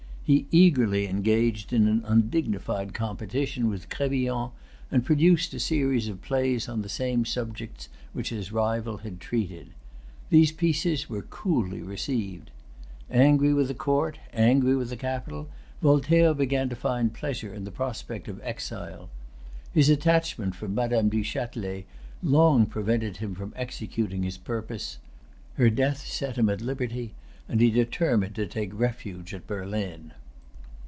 He eagerly engaged in an undignified competition with Crébillon, and produced a series of plays on the same subjects which his rival had treated. These pieces were coolly received. Angry with the court, angry with the capital, Voltaire began to find pleasure in the prospect of exile. His attachment for Madame du Châtelet long prevented him from executing his purpose. Her death set him at liberty; and he determined to take refuge at Berlin.